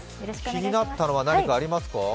気になったのは何かありますか？